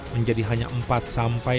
menjadi hanya empat sampah